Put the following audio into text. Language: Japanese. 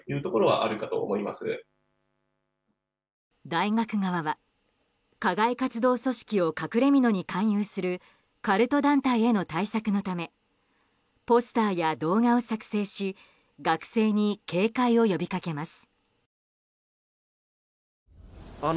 大学側は課外活動組織を隠れ蓑に勧誘するカルト団体への対策のためポスターや動画を作成し学生に警戒を呼びかけます。